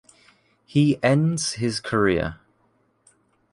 He ends his career.